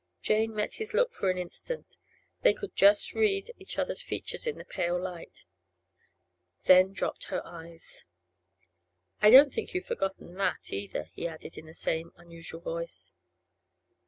Jane met his look for an instant—they could just read each other's features in the pale light—then dropped her eyes. 'I don't think you've forgotten that either,' he added, in the same unusual voice.